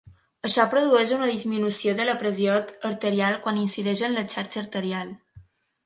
Això produeix una disminució de la pressió arterial quan incideix en la xarxa arterial.